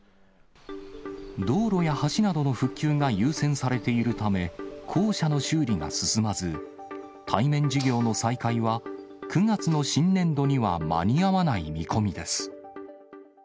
道路や橋などの復旧が優先されているため、校舎の修理が進まず、対面授業の再開は、９月の新年度には間に合わない見込みです。